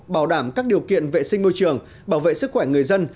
bảo đảm các điều kiện vệ sinh môi trường bảo vệ sức khỏe người dân